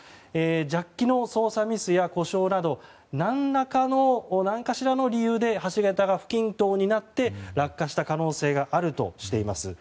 ジャッキの操作ミスや故障など何かしらの理由で橋桁が不均等になって落下した可能性があるとしています。